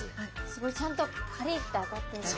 すごいちゃんとカリッて当たって。